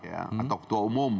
atau ketua umum